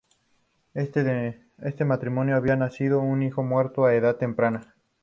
De este matrimonio habría nacido un hijo, muerto a edad temprana.